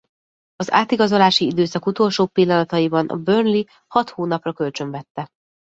Az átigazolási időszak utolsó pillanataiban a Burnley hat hónapra kölcsönvette.